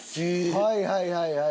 はいはいはいはい。